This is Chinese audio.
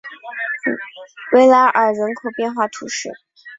维拉尔人口变化图示